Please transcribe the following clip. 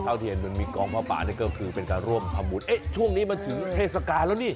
ที่เห็นมันมีกองผ้าป่านี่ก็คือเป็นการร่วมทำบุญเอ๊ะช่วงนี้มันถึงเทศกาลแล้วนี่